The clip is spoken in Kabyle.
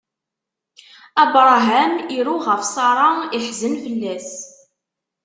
Abṛaham iru ɣef Ṣara, iḥzen fell-as.